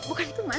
bukan itu man